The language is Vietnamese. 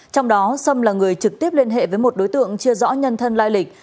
trong đó sâm là người trực tiếp liên hệ với một đối tượng chưa rõ nhân thân lai lịch